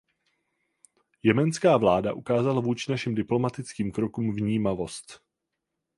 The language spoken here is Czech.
Jemenská vláda ukázala vůči našim diplomatickým krokům vnímavost.